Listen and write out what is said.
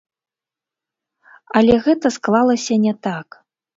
Але гэта склалася не так.